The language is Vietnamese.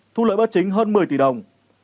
thu lợi bất chính hơn một mươi tỷ đồng